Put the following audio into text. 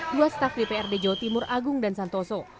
dua staf dprd jawa timur agung dan santoso